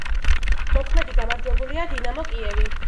მოქმედი გამარჯვებულია „დინამო კიევი“.